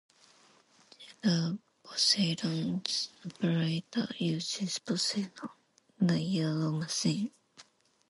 Getter Poseidon's operator uses Poseidon, the yellow machine.